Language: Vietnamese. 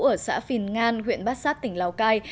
ở xã phìn ngan huyện bát sát tỉnh lào cai